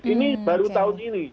ini baru tahun ini